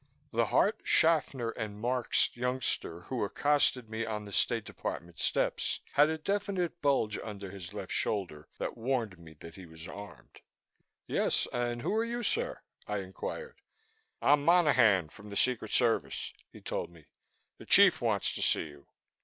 The Hart, Shaffner & Marxed youngster who accosted me on the State Department steps had a definite bulge under his left shoulder that warned me he was armed. "Yes, and who are you, sir?" I inquired. "I'm Monaghan from the Secret Service," he told me. "The Chief wants to see you."